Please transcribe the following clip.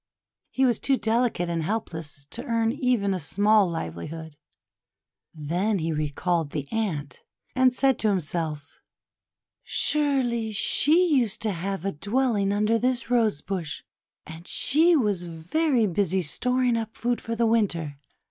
He was too delicate and helpless to earn even a small livelihood. Then he recalled the Ant, and said to himself: — "Surely she used to have a dwelling under this Rose Bush; and she was very busy storing up food for Winter.